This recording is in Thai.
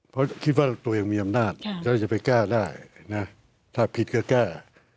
เพราะคิดว่าตัวเองมีอำนาจแล้วจะไปแก้ได้นะถ้าผิดก็แก้